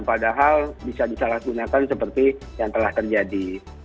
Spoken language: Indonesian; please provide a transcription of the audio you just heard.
padahal bisa disalahgunakan seperti yang telah terjadi